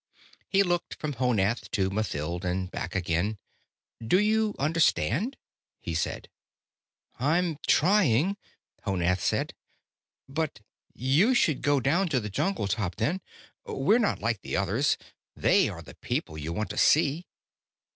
He looked from Honath to Mathild, and back again. "Do you understand?" he said. "I'm trying." Honath said. "But you should go down to the jungle top, then. We're not like the others; they are the people you want to see."